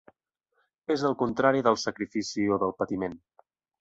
És el contrari del sacrifici o del patiment.